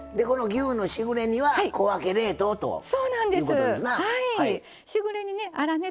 牛のしぐれ煮は小分け冷凍ということですな。